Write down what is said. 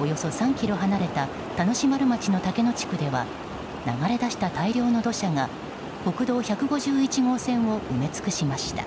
およそ３ｋｍ離れた田主丸町の竹野地区では流れ出した大量の土砂が国道１５１号線を埋め尽くしました。